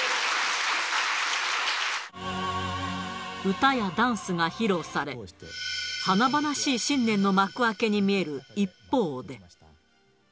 歌やダンスが披露され、華々しい新年の幕開けに見える一方で。